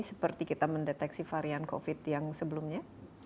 seperti kita mendeteksi varian covid yang sebelumnya